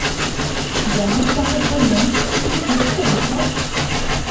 জাহিদ সাহেব বললেন, কী হচ্ছে এ-সব!